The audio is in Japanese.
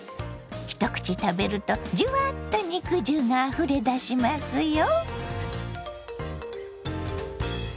一口食べるとじゅわっと肉汁があふれ出しますよ。